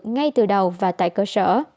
ngay từ đầu và tại cơ sở